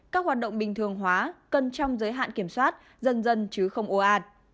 các hoạt động bình thường hóa cân trong giới hạn kiểm soát dân dân chứ không ô ạt